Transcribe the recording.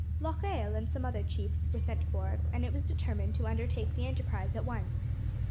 Locheil and some other chiefs were sent for, and it was determined to undertake the enterprise at once.